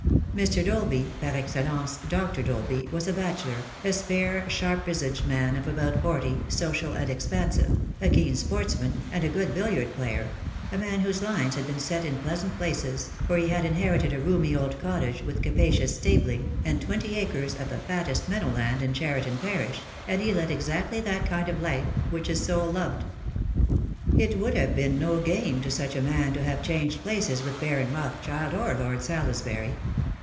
Mr. Dolby, par excellence Dr. Dolby, was a bachelor, a spare, sharp visaged man of about forty, social and expansive, a keen sportsman, and a good billiard player, a man whose lines had been set in pleasant places, for he had inherited a roomy old cottage, with capacious stabling, and twenty acres of the fattest meadow land in Cheriton parish, and he led exactly that kind of life which his soul loved. It would have been no gain to such a man to have changed places with Baron Rothschild or Lord Salisbury.